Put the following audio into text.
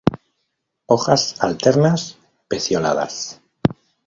Hojas alternas; pecioladas.